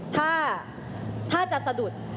ถ้าถ้าจะสะดุด